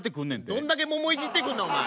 どんだけ桃いじってくんのお前。